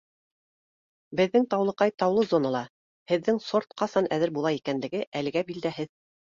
Беҙҙең Таулыҡай таулы зонала, һеҙҙең сорт ҡасан әҙер була икәнлеге әлегә билдәһеҙ